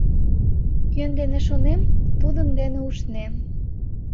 Кӧн дене шонем, тудын дене ушнем.